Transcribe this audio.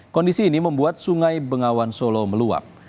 kondisi ini membuat sungai bengawan solo meluap